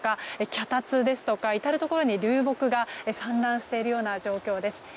脚立ですとか至るところに流木が散乱しているような状況です。